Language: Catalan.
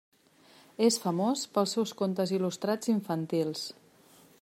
És famós pels seus contes il·lustrats infantils.